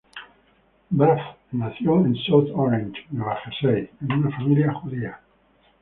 Braff nació en South Orange, Nueva Jersey, en una familia judía.